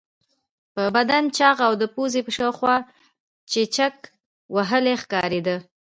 په بدن چاغ او د پوزې په شاوخوا کې چیچک وهلی ښکارېده.